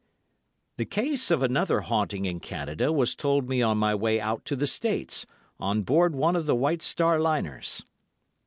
The case of another haunting in Canada was told me on my way out to the States, on board one of the White Star Liners.